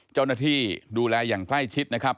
เจ้าหน้าที่ดูแลอย่างใกล้ชิดนะครับ